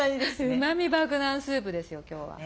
うまみ爆弾スープですよ今日は。